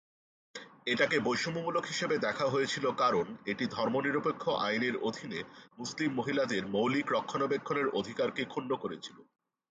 এটাকে বৈষম্যমূলক হিসেবে দেখা হয়েছিল কারণ এটি ধর্মনিরপেক্ষ আইনের অধীনে মুসলিম মহিলাদের মৌলিক রক্ষণাবেক্ষণের অধিকারকে ক্ষুণ্ণ করেছিল।